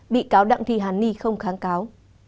bị cáo đặng thị hán ni không kháng cáo